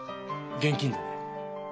現金でね。